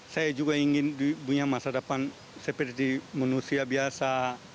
saya juga ingin punya masa depan seperti manusia biasa